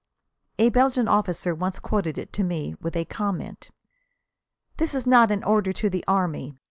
A Belgian officer once quoted it to me, with a comment. "This is not an order to the army.